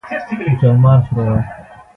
امیر شېر علي خان د انګریزانو له زور څخه خبر وو.